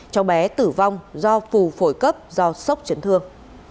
cháu bé tử vong do phù phổi cấp do sốc chấn thương